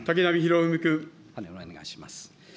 お願いします。